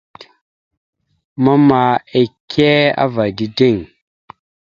Mama ike ava dideŋ.